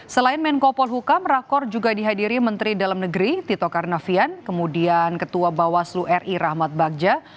selain menko polhukam rakor juga dihadiri menteri dalam negeri tito karnavian kemudian ketua bawaslu ri rahmat bagja